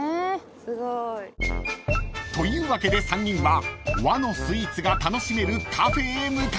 ［というわけで３人は和のスイーツが楽しめるカフェへ向かいます］